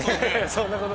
そんなこと。